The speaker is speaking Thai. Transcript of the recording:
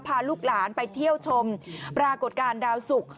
พาลูกหลานไปเที่ยวชมปรากฏการณ์ดาวสุก